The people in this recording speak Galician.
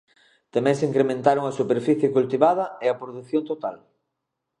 Tamén se incrementaron a superficie cultivada e a produción total.